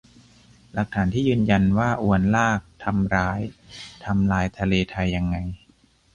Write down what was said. หลักฐานที่ยืนยันว่าอวนลากทำร้ายทำลายทะเลไทยยังไง